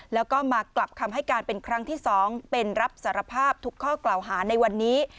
แล้วก็มากลับคำให้การเป็นครั้งที่๒เป็นรับสารภาพทุกข้อกล่าวหาในวันนี้